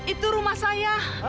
itu rumah saya